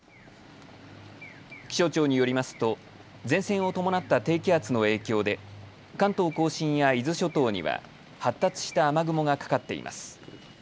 気象庁によりますと前線を伴った低気圧の影響で関東甲信や伊豆諸島には発達した雨雲がかかっています。